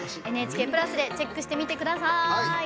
「ＮＨＫプラス」でチェックしてみてください。